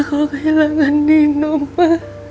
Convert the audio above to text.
kalau kehilangan dino ma